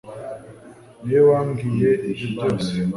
Niwe wambwiye ibyo byose